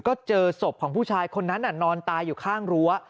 ก็เจอศพของผู้ชายคนนั้นนอนตายอยู่ข้างรั้ว